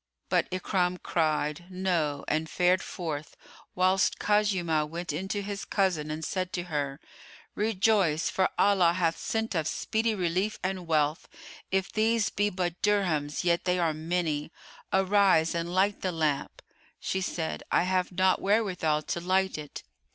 But Ikrimah cried, "No," and fared forth, whilst Khuzaymah went in to his cousin and said to her, "Rejoice for Allah hath sent us speedy relief and wealth; if these be but dirhams, yet are they many. Arise and light the lamp." She said, "I have not wherewithal to light it."